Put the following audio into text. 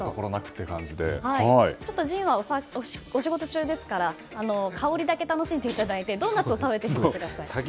ジンはお仕事中ですから香りだけ楽しんでいただいてドーナツを食べてみてください。